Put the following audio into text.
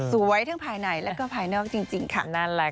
สูงไว้ทั้งภายในและภายนอกจริงค่ะ